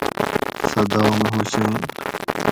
صدام حسین